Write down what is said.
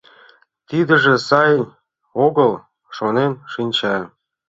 Тидыже сай огыл! — шонен шинча.